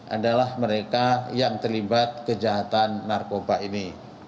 adalah mereka yang terlibat kejahatan narkoba ini